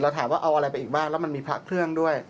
ถามว่าเอาอะไรไปอีกบ้างแล้วมันมีพระเครื่องด้วย